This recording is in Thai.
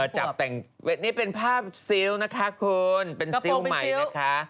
จับแต่งนี่เป็นภาพซิลนะคะคุณเป็นซิลใหม่นะคะ